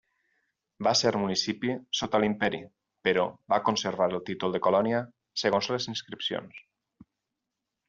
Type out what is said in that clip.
Va ser municipi sota l'Imperi però va conservar el títol de colònia segons les inscripcions.